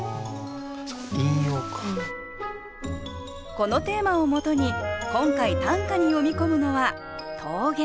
このテーマをもとに今回短歌に詠み込むのは「峠」。